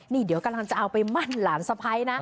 นี่เดี๋ยวกำลังจะเอาไปมั่นหลานสะพ้ายนะ